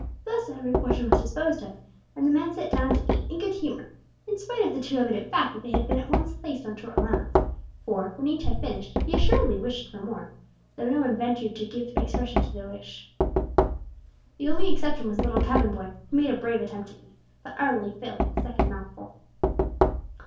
Thus every portion was disposed of, and the men sat down to eat in good humour, in spite of the too evident fact that they had been at once placed on short allowance, for, when each had finished, he assuredly wished for more, though no one ventured to give expression to the wish. The only exception was the little cabin boy, who made a brave attempt to eat, but utterly failed at the second mouthful.